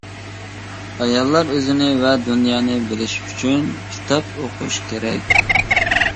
ئاياللار ئۆزىنى ۋە دۇنيانى بىلىش ئۈچۈن كىتاب ئوقۇش كېرەك.